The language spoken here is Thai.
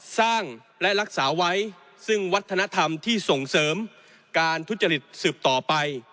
สร้างและรักษาไว้ซึ่งวัฒนธรรมที่ส่งเสริมการทุจริตสืบต่อไป